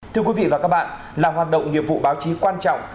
thưa quý vị và các bạn là hoạt động nghiệp vụ báo chí quan trọng